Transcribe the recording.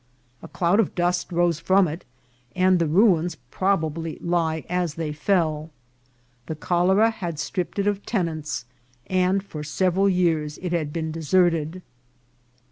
A cloud of dust rose from it, and the ruins probably lie as they fell. The cholera had strip ped it of tenants, and for several years it had been de serted.